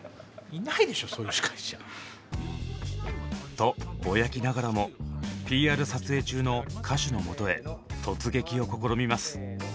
とぼやきながらもＰＲ撮影中の歌手のもとへ突撃を試みます。